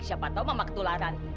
siapa tahu mama ketularan